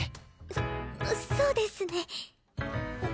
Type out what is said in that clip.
そそうですね。